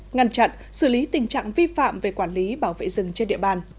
ngăn chặn xử lý tình trạng vi phạm về quản lý bảo vệ rừng trên địa bàn